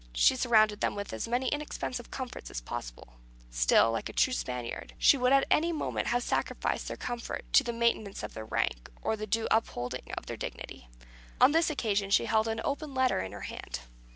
She surrounded them with as many inexpensive comforts as possible; still, like a true Spaniard, she would at any moment have sacrificed their comfort to the maintenance of their rank, or the due upholding of their dignity. On this occasion she held an open letter in her hand.